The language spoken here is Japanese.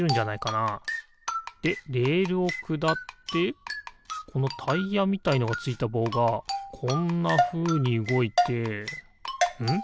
でレールをくだってこのタイヤみたいなのついたぼうがこんなふうにうごいてん？